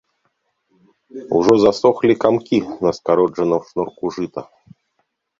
Ужо засохлі камкі на скароджаным шнурку жыта.